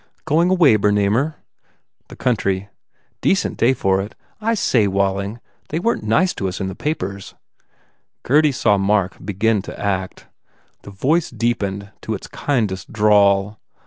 "Going away, Bernamer?" "The country." "Decent day for it. ... I say, Walling, they weren t nice to us in the papers." Gurdy saw Mark begin to act. The voice deepened to its kindest drawl.